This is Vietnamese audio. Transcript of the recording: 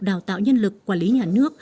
đào tạo nhân lực quản lý nhà nước